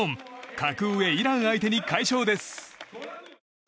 格上イラン相手に快勝です。